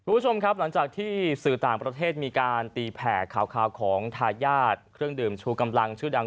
คุณผู้ชมครับหลังจากที่สื่อต่างประเทศมีการตีแผ่ข่าวของทายาทเครื่องดื่มชูกำลังชื่อดัง